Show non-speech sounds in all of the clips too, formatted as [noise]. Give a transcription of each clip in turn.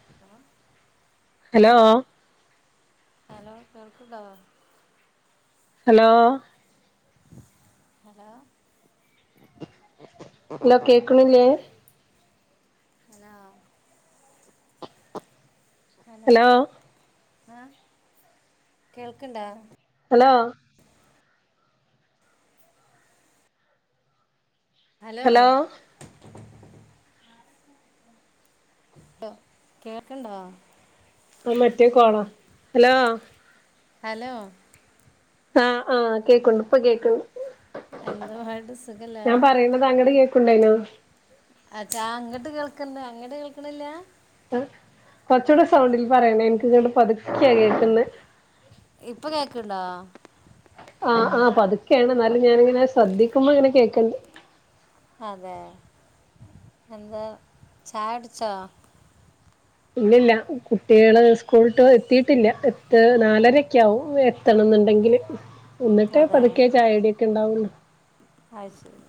[unintelligible] Hello? Hello കേൾക്കണ്ടോ? Hello? Hello? ല കേക്കണില്ലേ? ഹലോ? ഹലോ ആഹ കേൾക്കണ്ടാ? ഹലോ? ഹലോ? ഹലോ കേൾക്കണ്ടോ? ആ മറ്റേ കോള ഹലോ? ഹലോ? ആഹ് ആഹ് കേക്കുണ്ട് ഇപ്പൊ കേൾക്കണ്ട്. എന്തു പാട് സുഖല്ലേ ഞാൻ പറയുന്നത് അങ്ങട് കേക്കുണ്ടായിനോ? അച്ചാ അങ്ങോട്ട് കേൾക്കണ്ട് അങ്ങോട്ട് കേൾക്കണില്ല? ആ കുറച്ചൂ സൗണ്ടിൽ പറയണേ എനിക്ക് ഇങ്ങ ണ്ട് പതുക്കിയാ കേൾക്കുന്നത്. ഇപ്പൊ കേക്കണ്ടോ? ആഹ ആ് പതുക്കെയാണ് എന്നാലും ഞാന് നല്ല ഞാനിനെ ശ്രദ്ിക്കുമ്പോ ഇങ്ങനെ കേൾക്കണ്ട്. അതെ എന്താ ചായടിച്ചോ ഇല്ലില്ല കുട്ടികള് സ്കൂളട്ട് എത്തിട്ടില്ല എത്ത് നാലരക്കെ ആകും എത്തണം എന്നുണ്ടെങ്കില്. ഒന്നിട്ടേ അതെ പതുക്കെ ചായകുടിക്കെ ഉണ്ടാവുള്ളൂ. അഹ് ശരി.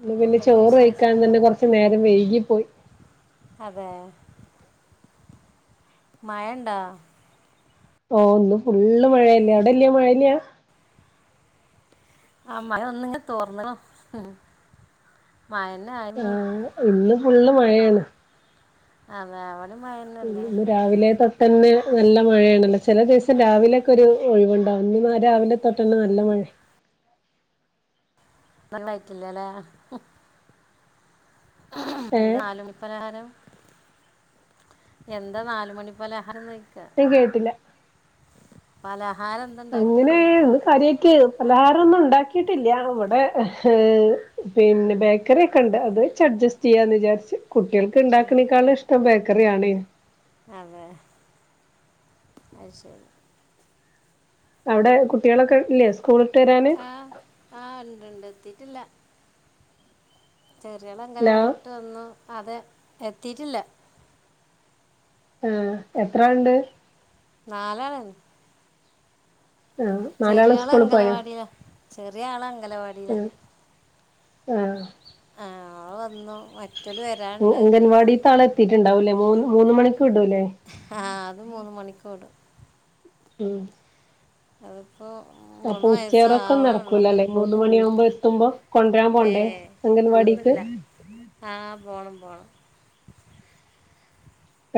ഒന്ന് പിന്നെ എന്തൊക്കെ ചോറ് കഴിക്കാൻ വിശേഷങ്ങള് തന്നെ കൊറച്ചു നേരം വൈകി പോയി. അതെ മായണ്ടാ ഓ ഒന്ന് ഫുള്ള് മഴയല്ലേ അവിടെല്ലയ മഴല്ലയാ. ആഹ് മഴ ഒന്നിങ്ങ് തോറ്ന്നപ്പോ മാഴെന്നെ ആയിരുന്നു ആഹ് ഇന്ന് ഫുള്ള് മഴയാണ് അതെ അവടിം മഴെന്നെല്ലേ ഇന്ന് രാവിലെ തൊട്ടന്നെ നല്ല മഴയാണല്ലോ ചെല ദിവസം രാവിലൊക്കൊര് ഒഴിവ്ണ്ടാവും ഇന്ന് രാവിലെ തൊട്ടന്നെ നല്ല മഴ നന്നായിട്ടില്ലലേ എന്താ ഏഹ് നാല് മണി പലഹാരം എന്താ നാല് മണി പലഹാരന്നോയിക്കാ [unintelligible] കേട്ടില്ല പലഹാരം എന്താ ഇണ്ടാക്കി അങ്ങനെ ചോയിക്ക ഇന്ന് കാര്യായിട്ട് പലഹാരൊന്നും ഉണ്ടാക്കീട്ടില്ല ഇവടെ പിന്നെ ബേക്കറിയൊക്കെണ്ട് അത് വെച്ച് അഡ്ജസ് റ്റെയ്യാന്ന് വിചാരിച്ച് കുട്ട്യേള്ക്ക് ആ, ഇണ്ടാക്കിനേക്കാളും ഇഷ്ടം ബേക്കറിയാണെ അതെ അത് ശരി അവിടെ കുട്ട്യേളൊക്കെ ഇല്ലേ സ്കൂള്ട്ട് വെരാന് ആഹ് ആഹ് ഇണ്ട്ണ്ട് എത്തിട്ടില്ല ചെറിയാള് ഹലോ അങ്കലവാടി വിട്ട് വന്നു അതെ എത്തിയിട്ടില്ല ആഹ് എത്രാള്ണ്ട് നാലാള്ൺ ആഹ് നാലാള് ചെറിയാള് സ്കൂള് പോയോ അംഗലവാടീലാ ചെറിയ ആള് അംഗലവാടീല ആഹ് ആഹ് അവള് വന്നു മറ്റൊല് വെ അംഗനവാടീത്തെ ആള് എത്തീട്ട്ണ്ടാവൂലേ മൂന്ന് മൂന്ന് മണിക്ക് വിടൂലെ ആഹ് അത് മൂന്ന് മണിക്ക് വിടും ഉം അത് അപ്പൊ ഉച്ചയൊറക്കൊന്നും നടക്കൂലല്ലേ മൂന്ന് മണിയാവുമ്പോ എത്തുമ്പോ കൊണ്ടരാൻ ഏ പോണ്ടേ അംഗൻവാടീക്ക് ആഹ് പോണം പോണം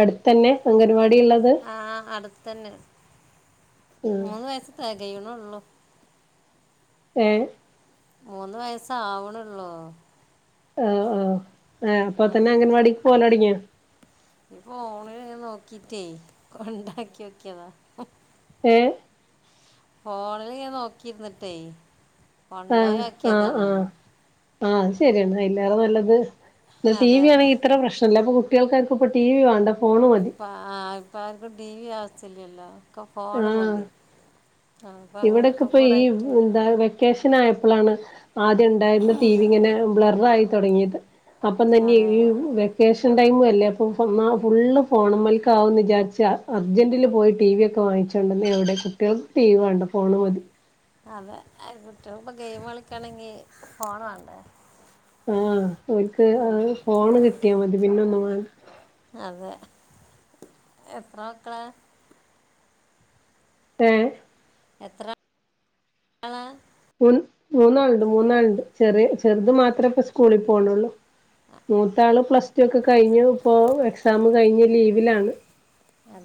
എട്ത്തെന്നെ അംഗൻവാടിള്ളത് ആഹ് അട്ത്തെന്നെ മൂന്ന് വയസ്സ്‌ തെകയ്ണോള്ളൂ ഏഹ് മൂന്ന് വയസ്സാവ്ണൊള്ളൂ ആഹ് ആഹ് ഇപ്പൊ ആ തന്നെ അംഗൻവാടിക്ക് പോവലൊട്ങ്യോ ഈ ഫോണില് ഇങ്ങനെ നോക്കീറ്റേ കൊണ്ടാക്ക്യോക്കിയതാ ഏഹ് ഫോണില് ഇങ്ങനെ നോക്കിയിര്ന്നിട്ടേ ആഹ് ആഹ് കൊണ്ടോയാക്കിയതാണ് ആഹ് ആഹ് അത് ശരിയാണ് അയിലാറെ നല്ലത് ഇത് അതെ ടിവി ആണെങ്കി ഇത്ര പ്രശ്നല്ല അപ്പ കു കുട്ട്യേള്ക്കാര്ക്കും ഇപ്പോ ടിവി വാണ്ട ഇപ്പ ആഹ് ഇപ്പാര്ക്കും ടിവി ആവ്സ്യല്ലല്ലോ ഒക്കെ ഫോണ് മതി അപ്പം ഇവിടൊക്കെ അങ്ങനെയൊക്കെ ഇപ്പ കൂടെ ഈ ആയിട്ട് എന്താ വെ ക്കേഷനായപ്പളാണ് ആദ്യണ്ടായിര്ന്ന ടിവി ഇങ്ങനെ ബ്ലററായി തൊടങ്ങിയത് അപ്പതന്നെ അതെ ഈ വെ ക്കേഷൻ ടൈമും അല്ലേ അപ്പം ഇന്നാ ഫുള്ള് ഫോണ്‌മല്ക്കാവുന്ന് വിചാരിച്ച് അർജന്റിൽ പോയി ടിവിയൊക്കെ വാങ്ങിച്ച് [unintelligible] എവടെ കുട്ട്യേള്ക്ക് ടിവി വേണ്ട ഫോണ് മതി അതെ കുട്ട്യേള്പ്പം ഗെയിമ് കളിക്കാണെങ്കി ഫോണ് വേണ്ടേ ആഹ ഒൽക്ക് ആ അതാണ് ഫോണ് കിട്ടിയാ മതി പിന്നെ ഒന്ന് വാണ്ട അതെ എത്ര മക്കളാ ഏഹ് എത്ര ള മ മൂന്നാളുണ്ട് മൂന്നാളുണ്ട് ചെറിയ ചെറുത് മാത്രമേ ഇപ്പ സ്കൂളിൽ പോണള്ളൂ മൂത്താള് പ്ലസ് ടു ഒക്കെ കഴിഞ്ഞു ഇപ്പോ എക്സാം കഴിഞ്ഞ് ലീവിലാണ്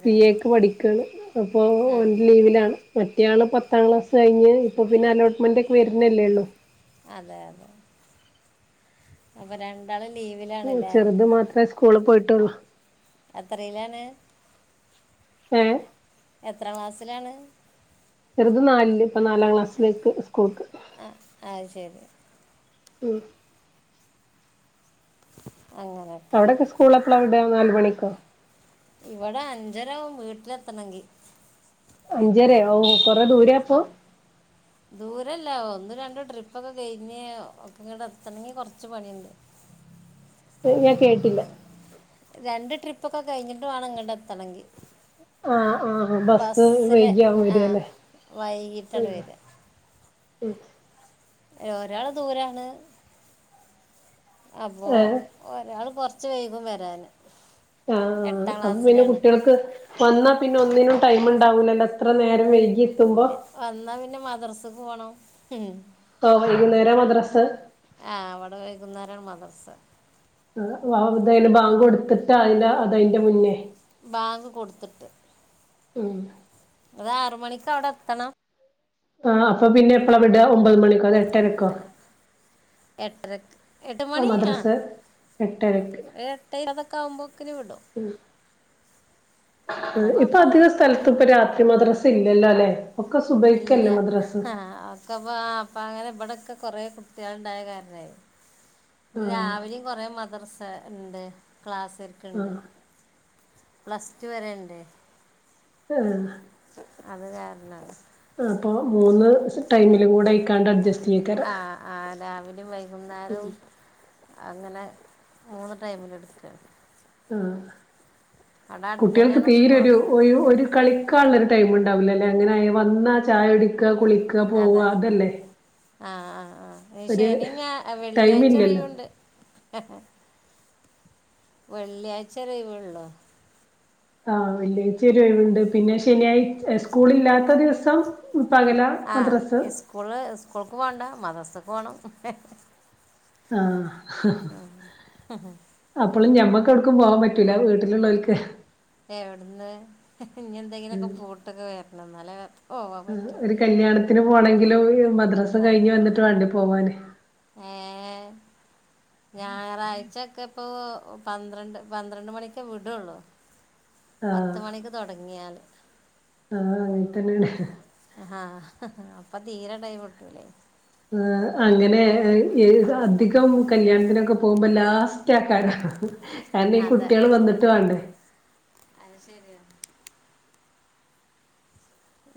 സി എക്ക് പഠിക്കയാണ് അപ്പൊ ആ ഒൻ ലീവിലാണ് മറ്റയാൾ പത്താം ക്ലാസ് കഴിഞ്ഞ് ഇപ്പോൾ പിന്നെ അലോട്ട്മെൻറ് ഒക്കെ വരുന്നല്ലേ ഉള്ളൂ അതെ അതെ അപ്പൊ രണ്ടാളും ലീവിലാണല്ലേ അത് മാത്രം സ്കൂ സ്കൂളിൽ പോയിട്ടുള്ളൂ എത്രയിലാണ് ഏഹ് എത്രാം ക്ലാസിലാണ് ചെറ്ത് നാലില് ഇപ്പൊ നാലാം ക്ലാസ്സിലേക്ക് സ്കൂൾക്ക് ആ ആ ശരി ഉം അങ്ങനെ അവിടൊക്കെ സ്കൂളെപ്പളാ വിടാ നാല് മണിക്കോ ഇവിടെ അഞ്ചരാവും വീട്ടിലെത്തണെങ്കി അഞ്ചരയോ കൊറേ ദൂരെയാപ്പൊ ദൂരെയല്ല ഒന്ന് രണ്ട് ട്രിപ്പൊക്കെ കഴിഞ്ഞ് ഒക്കെ ഇങ്ങ്ടെത്തണെങ്കി കൊറ്ച്ച് പണിയ്ണ്ട് ഏ ഞാൻ കേട്ടില്ല രണ്ട് ട്രിപ്പൊക്കെ കഴിഞ്ഞിട്ട് വാണം ഇങ്ങ്ട്ടെത്തണെങ്കി ആഹ് ആഹ് ബസ് ബസ്സിലെ വൈകിയാവും ആഹ് വരല്ലേ വൈകിട്ടാണ് വര്അ ഉം ഒരാള് ദൂരാണ് അപ്പൊ ഏ ഒരാള് കൊറച്ച് വൈകും വരാന് ആഹ് അപ്പൊ പിന്നെ കുട്ടിയൾക്ക് വന്നാപിന്നൊന്നിനും ടൈമ്ണ്ടാവൂലല്ലൊ എത്ര നേരം വൈകി എത്തുമ്പോ ഇല്ല വന്നാ പിന്നെ മദ്രസക്ക് പോണം ഉം പ്പൊ വൈകുന്നേരാ മദ്രസ ആഹ് ഇവ്ടെ വൈകുന്നേരാണ് മദ്റ്സ ആ [unintelligible] ബാങ്ക് കൊടുത്തിട്ടാ അല്ലാ അതയിന്റെ മുന്നേ ബാങ്ക് കൊട്ത്തിട്ട് അത് ആറ് മണിക്കവ്ടെത്തണം ആ അപ്പ പിന്നെപ്പളാ വിടാ ഒമ്പത് മണിക്കോ അതോ എട്ടര ല എട്ടരക്ക് എട്ട് ആ മണി മദ്രസ ആഹ് എട്ടരക്ക് ഒരെട്ടേഇരുപതൊക്കാകുംബോക്കിന് വിടും എന്നാലും ഇപ്പൊ കുഴപ്പമില്ല അധിക സ് സ്ഥലത്ത്പ്പ രാത്രി മദ്രസില്ലല്ലോല്ലെ ഒക്കെ സുബഹിക്കല്ലേ മദ്രസ്സ് അപ്പങ്ങനെ ഇവിടൊക്കെ കൊറേ കുട്ടികള്ണ്ടായ കാരണേ ഇത് ആഹ് രാവിലെയും കൊറേ മദ്രസ ഇണ്ട് ക്ലാസ്കാർക്ക്ണ്ട് ആഹ് പ്ലസ് ടു വരെയ്ണ്ട് ആഹ് അത് കാരണാണ് അപ്പൊ മൂന്ന് ടൈമിലും കൂടായിക്കാണ്ടഡ്ജസ്റ്റ് ആഹ് ആഹ് രാവിലിം വൈകുന്നേരും അങ്ങനെ മൂന്ന് ടൈമില്ട്ക്കാ. ആഹ് അവിടെ അടുത്ത് കുട്ട്യെൾക്ക് തന്നെയാണ് തീരൊരു സ്കൂളൊക്കെ ഒയു ഒരു കളി ക്കാള്ളൊരു ടൈമ്ണ്ടാവൂല്ലല്ലേ അങ്ങനായ വന്നാ ചായുടിക്ക കുളിക്ക പോവ അതല്ലേ ആഹ് ആഹ് ആഹ് എഹ് ഒരു ശനി ഞാ അ വെള്ളിയായ്‌ച്ചൊയ് ടൈമില്ലല്ലോ വ്ണ്ട്. വെള്ളിയാഴ്ചരൊയിവൊള്ളോ? ആഹ് വെള്ളിയാഴ്ച ഒരൊയ്വ്ണ്ട് പിന്നെ ശനിയാഴ് എഹ് സ്കൂളില്ലാത്ത ദിവസം പകല മദ്രസ് ആഹ് സ്കൂള് സ്കൂൾക്ക് പോണ്ട മദ്രസക്ക് പോണം. ആഹ് അപ്പളും ഞമ്മക്കൊട്ക്കും പോകാൻ പറ്റൂല വീട്ട്ല്ള്ളോൽക്ക് എവ്ട്ന്ന് ഇഞെന്തെങ്കിലൊക്കെ പൂട്ടൊക്കെ വെര്ണം ന്നാലെ ഉം ഒരു കല്യാണത്തിന് പോണെങ്കിലും മദ്രസ് കഴിഞ്ഞ് വന്ന്ട്ട് വാണ്ടേ പോവാന്. ഏഹ് ഞായറാഴ്ച്ചെക്കപ്പോ പന്ത്രണ്ട് പന്ത്രണ്ട് മണിക്കെ വിടൊള്ളൂ. ആഹ് പത്ത് മണിക്ക് തൊടങ്ങ്യാല് ആഹ് അങ്ങൻ തെന്നെ ആഹ് അപ്പ തീരെ ടൈമ്ട്ടൂല്ലെയ് ആഹ് അങ്ങനെ എഹ് ഏത്‌ അധികം കല്യാണത്തിനൊക്കെ പോവുമ്പ ലാസ് റ്റെക്കാരം കാരണം ഈ അതെ കുട്ട്യെള് വന്ന്ട്ട് വാണ്ടേ. അത് ശെര്യാണ്.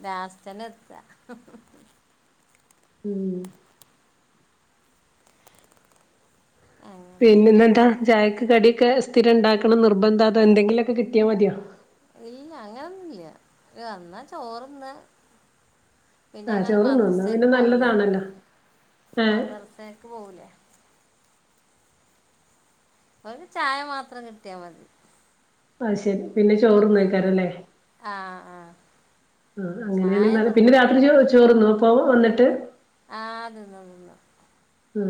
ലാസ്‌റ്റെന്നെത്താ ഉം അങ്ങനെ പിന്നെ എന്താ ഇന്നെന്താ ചായക്ക് കട്യക്കെ സ്ഥിരണ്ടാക്കണ നിർബന്ധതോ എന്തെങ്കിലൊക്കെ കിട്ട്യാമത്യോ. ഇല്ല അങ്ങനൊന്നുല്ല വന്നാ ചോറ്ന്നാ ആഹ് പിന്നങ്ങനെ ചോറ്ന്നു ന്നാ പിന്നെ മദ്രസേക്ക് പോവൂലേ നല്ലതാണല്ലോ ഏഹ് മദ്രസേക്ക് പോവൂലേ ഒരു ചായ മാത്രം കിട്ട്യാ മതി അയ് ശെരി പിന്നെ ചോറുന്ന്വേക്കാരല്ലേ ആഹ് ആഹ് ആഹ് അങ്ങനെണെ നല്ല പിന്നെ രാത്രി ചോ ചോറ്ന്നോ പ്പൊ വന്ന്ട്ട്. ആഹ് തിന്നും തിന്നും ഉം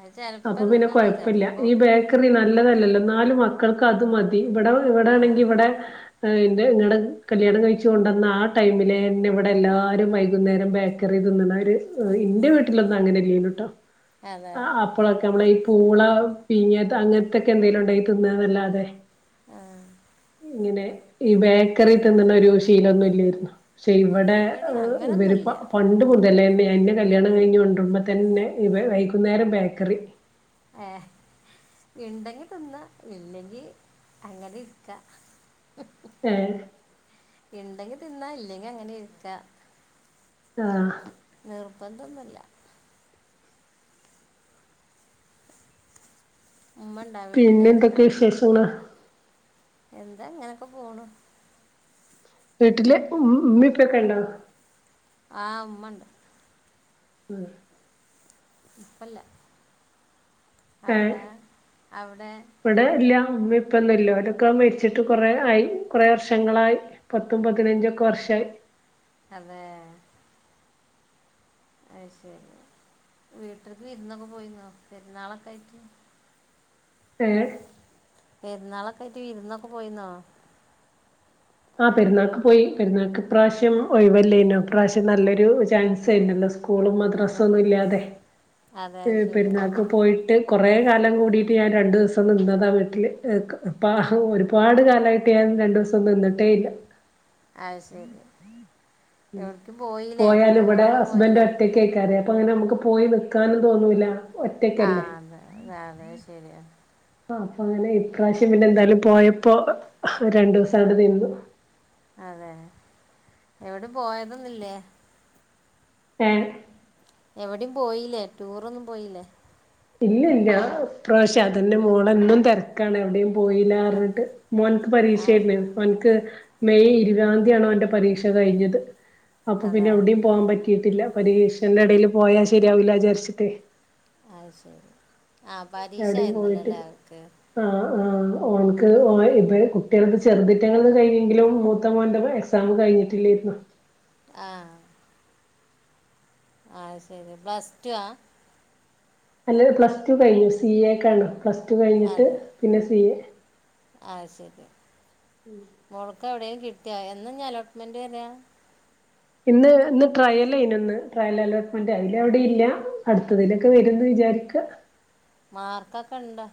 അത് ചിലപ്പോൾ അപ്പൊ പിന്നെ തിന്നുള്ളൂ കൊയപ്പല്ല ചിലപ്പോൾ ഈ ബേക്ക് റി നല്ലതല്ലല്ലോ ന്നാലും മക്കൾക്കത് മതി ഇബടെ ആ ഇവടാണെങ്കി ഇവടെ അയ്ന്റെ ഇവടെ കല്യാണം കഴിച്ച്കൊണ്ടന്ന ആ ടൈമില് എന്നെ വടെ എല്ലാരും വൈകുന്നേരം ബേക്ക ക്കറി തിന്നു ന്നാ ഒര് എഹ് ഇന്റെ വീട്ട്ലൊന്നും അങ്ങനൊന്നുല്ലാട്ടോ അതെ ആഹ് അപ്പ് പ്പോളൊക്കെ നമ്മള ഈ പൂള പിങ്ങ്യത് അങ്ങൻത്തെക്കെന്തെലുണ്ടാങ്കി തിന്നന്നല്ലാതെ ആഹ് ഇങ്ങനെ ഈ ബേക്കറി തിന്ന് ന്നൊരു ശീലൊന്നുല്ലേര്ന്നു. ക്ഷെ ഇവടെ ഇവിടെ എഹ് ഇവര് അങ്ങനൊന്നുമില്ല പ പണ്ട് മുതലേന്നെ എന്നെ കല്യാണം കഴിഞ്ഞ് കൊണ്ട്രുമ്പോ തന്നെ ഇവെ വൈകുന്നേരം ബേക്കറി ഏഹ് ഇണ്ടെങ്കി തിന്ന ഇല്ലെങ്കി അങ്ങനിര്ക്ക. ഏഹ് ഇണ്ടെങ്കി തിന്നാ ഇല്ലെങ്കി അങ്ങനിര്ക്ക. ആഹ് നിർബന്ധമൊന്നില്ല ഉമ്മൻ പിന്നെ എന്തൊക്കെയെ വിശേഷങ്ങള് എന്താ ഇങ്ങനെയൊക്കെ പോണു വീട്ടില് ഉം ഉമ്മേം ഉപ്പേക്കെണ്ടാ ആഹ് ഉമ്മണ്ട് ഉം ഇപ്പല്ല ഏ അവിടെ അവിടെ ഇവിടെ ഇല്യാ ഉമ്മേം ഇപ്പേന്നും ഇല്ല ഒരൊക്കെ മരിച്ചിട്ട് കൊറേ ആയി കൊറേ വർഷങ്ങളായി പത്തും പതിനഞ്ചൊക്കെ വർഷായി അതെ അയ് ശരി വീട്ടിൽക്ക് വിരുന്നൊക്കെ പോയിന്നോ പെരുന്നാളൊക്കെ ആയിറ്റ് ഏഹ് പെരുന്നാളൊക്കെ ആയിട്ട് വിരുന്നൊക്കെ പോയീന്നോ ആഹ് പെരുന്നാൾക്ക് പോയി പെരുന്നാൾക്ക് ഇപ്രാവശ്യം ഒഴിവില്ലേനു ഇപ്രാവശ്യം നല്ലൊരു ചാൻസ് ആയിരുന്നല്ലോ സ്കു സ്കൂളും അതെ മദ്രാസൊന്നും ഇല്ലാതെ അതെ പെ അത് ശരി പെരുന്നാക്ക് പോയിട്ട് കൊറേ കാലം കൂടിട്ട് ഞാൻ രണ്ടു ദിവസം നിന്നതാ വീട്ടില് ക്ക് ഇപ്പാ ഹ് ഓരും ഒരുപാട് കാലായിട്ട് ഞാൻ രണ്ടുസം നിന്നിട്ടേ ഇല്ല അയ് ശരി ഉം എവിടേക്കും പോയില്ലേ പോയാല് ഇവിടെ ടൂറൊന്നും ഹസ്ബന്റ് പോയില്ലേ ഒറ്റക്ക് എയ്ക്കരെ അപ്പോ അങ്ങനെ ഞമുക്ക് പോയി നിക്കാനും തോന്നൂല്ല ആ അതെ അതെ അഹ് ശരിയ ആ അപ്പൊ അങ്ങനെ ഇപ്രാവശ്യം പിന്നെ എന്തായാലും പോയപ്പോ രണ്ടു ദിവസം അവിടെ നിന്നു അതെ എവിടീം പോയതെന്നും ഇല്ലേ ഏ എവിടെയും പോയില്ലേ ടൂർ ഒന്നും പോയില്ലേ ഇല്ല ഇല്ല ഇപ്രവശ്യം അതിന്റെ മോളന്നും തരത്തി എവിടെയും പോയില്ല പറഞ്ഞിട്ട് മോ ന് ക്ക് ആ പരീക്ഷായിരുന്ന് അവന്ക്ക് മെയ് ഇരുപതാം തീയതിയാണ് അവന്റെ പരീക്ഷ കഴിഞ്ഞത് അപ്പൊ പിന്നെ അതെ എവിടെയും പോവാൻ പറ്റിയിട്ടില്ല പരീക്ഷന്റെ ഇടയിൽ പോയാ ശരിയാവില്ല വിചാരിച്ചിട്ട് അഹ് ശരി ആഹ് പരീക്ഷായിന്നല്ലല്ലേ അവക്ക് ആ ആ ഓനക്ക് ഓ ഇത് പറയുന്നത് ഇങ്ങനെ പറഞ്ഞു കൊണ്ട് പറഞ്ഞു കൊടുത്തു എന്നു കരുതി അവന് പറഞ്ഞു തരുന്നു കുട്ടികളുടെ ചെറുതെറ്റങ്ങലൂടെ കൈഞ്ഞെങ്കിലും മൂത്ത മോൻ്റെ എക്സാം പ്രതികരണം അറിയിക്കുന്നത്കെയ്ൻ പ്രതികരിച്ച് കഴിഞ്ഞെിലും മൂത്ത മൻ എക്സാം കഴിട്ടില്ലായിരുന്നു ആഹ് ആ ശരി പ്ലസ്ടു ആ അല്ല പ്ലസ് ടു കഴിഞ്ഞു സി എക്കാണ് പ്ലസ് ടു കഴിഞ്ഞിട്ട് പിന്നെ സി എ അഹ് ശരി ഉം മോൾക്ക് എവിടെ എങ്കിലും കിട്ടിയോ എന്നാഞ്ഞ് അലോട്ട്മെന്റ് വരാ ഇന്ന് ഇന്ന് ട്രയല ഇതിനൊന്ന് ട്രയൽ അലോട്ട്മെന്റ് അതിൽ എവിടെ ഇല്ല അടുത്തതിലൊക്കെ വരും ന്ന് വിചാരിക്ക മാർക്കൊക്കെ ഇണ്ടോ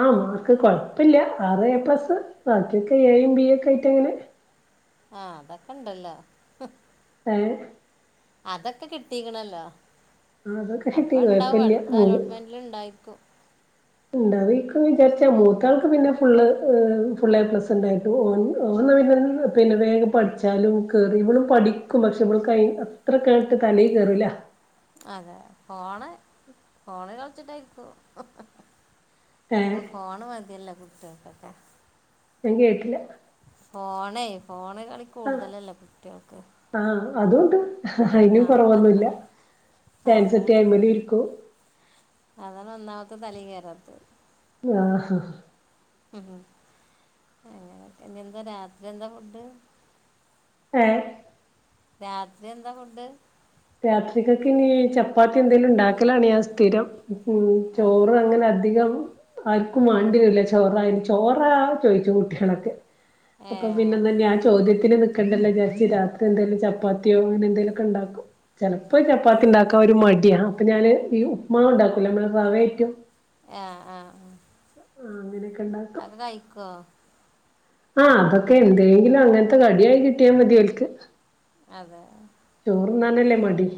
ആഹ് മാർക്ക് കൊഴപ്പമില്ല ആറ് എ പ്ലസ് ബാക്കിക്കെ എയും ബി എ ഒക്കെ ആയിട്ട് അങ്ങനെ ആഹ അതൊക്കെ ഇണ്ടല്ലോ ഏ അതൊക്കെ കിട്ടീക്കണല്ലോ അതൊക്കെ കിട്ടി അപ്പൊ ഉണ്ടാവും കുഴപ്പില്ല അടുത്ത അലോട്ട്മെന്റ് എല്ല ഇണ്ടായ്ക്കും ഉണ്ടാവെക്കുന്ന് വിചാരിച്ച മൂത്താൾക്ക് പിന്നെ ഫുള് ഹെ ഫുള് ഏപസ്ണ്ടായിട്ടു ഓൻ ഓന്നപിന്നെ നി പിന്നെ വേഗം പഠിച്ചാലും കയറി ഇവളും പഠിക്കും പക്ഷെ ഇവൾ ക അത്ര കേട്ട് തലൽ കയറില്ല അതെ ഫോണ് ഫോണിൽ കളച്ചിട്ടായിരിക്കു ഏഹ് ഇപ്പൊ ഫോണ് മതിയല്ലോ കുട്ടികൾക്കൊക്കെ ഞാൻ കേട്ടില്ല ഫോണ ഫോണ് കളി ആഹ കൂടുതലല്ലേ കുട്ടികൾക്ക് ആഹ അതുണ്ട് ആ അയിനും കൊറവൊന്നുല്ല ചാൻസ് കിട്ട അതാണ് ആയിമലും ഇരിക്കും അതാണ് ഒന്നാമത്തെ തലിൽ കെറാത്ത് ആഹഹാ ഉ ഉ അങ്ങനെ എന്താ രാത്രി എന്താ ഫുഡ് ഏ രാത്രി എന്താ ഫുഡ് രാത്രിക്കൊക്ക് ഇനി ചപ്പാത്തി എന്തെങ്കലും ഇണ്ടാക്കലാണ് ഞാൻ സ്ഥിരം ഉ ആ ചോറ് അങ്ങനെ അധികം ആർക്കും വണ്ടിരെല്ല ചോറ അതിന് ചോറ ചോയിച്ചു കുട്ടികളൊക്കെ ഏ അപ്പൊ പിന്നെന്നെ ഞാൻ ചോദ്യത്തിന് നിൽക്കണ്ടല്ലോ ചാച്ചി രാത്രി എന്തെലും ചപ്പാത്തിയോ അങ്ങനെ എന്തേലുമൊക്കെ ഇണ്ടാക്കും ചെൽപ്പോ ചപ്പാത്തി ഇണ്ടാക്കാ ഒരു മടിയ അപ്പൊ ഞാൻ ഈ ഉപ്പ്മാവ് ഉണ്ടാക്കൂല നമ്മൾ റാവെറ്റും ആഹ ആഹ ആഹ് അങ്ങനെയൊക്കെ ആഹ ഉണ്ടാക്കും അഹക്കോകഴിക്കോ ആഹ് അതൊക്കെ എന്തെങ്കിലും അങ്ങനത്തെ കടിയായി കിട്ടിയാൽ മതിയല്ക്ക് അതെ ചോർ നാനല്ലേ മടി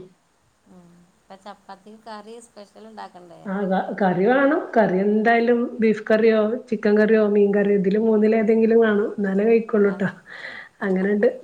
ഉം അപ്പ ചപ്പാത്തിക്ക് കറി സ്പെഷ്യൽ ഇണ്ടാക്കേണ്ടേ ആഹ് കറി വാണം കറി എന്തായാലും ബീഫ് കറിയോ ചിക്കൻ കറിയോ മീൻ കറിയോ ഇതില് മൂന്നിലേതെങ്കിലും വാണൊ ന്നലേ കഴിക്കൊള്ളൂട്ടാ അതെ അങ്ങനെണ്ട്